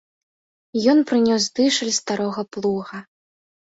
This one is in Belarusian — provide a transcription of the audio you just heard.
Ён прынёс дышаль з старога плуга.